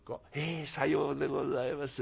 「ええさようでございます。